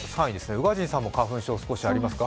宇賀神さんも花粉症少しありますか？